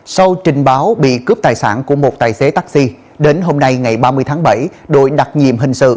sau trình báo bị cướp tài sản của một tài xế taxi đến hôm nay ngày ba mươi tháng bảy đội đặc nhiệm hình sự